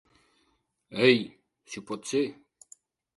Ei, si pot ser.